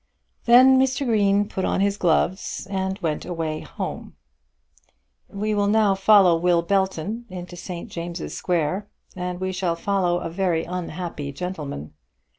Then Mr. Green put on his gloves and went away home. We will now follow Will Belton into St. James's Square, and we shall follow a very unhappy gentleman.